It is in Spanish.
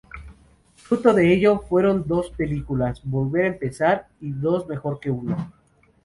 Fruto de ello fueron dos películas, "Volver a empezar" y "Dos mejor que uno".